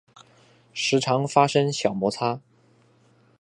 时常发生小摩擦